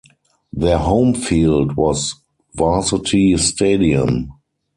Their home field was Varsity Stadium.